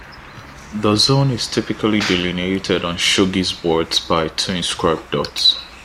The zone is typically delineated on shogi boards by two inscribed dots.